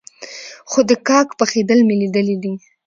خو د کاک پخېدل مې ليدلي دي.